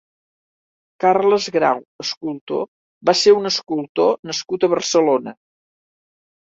Carles Grau (escultor) va ser un escultor nascut a Barcelona.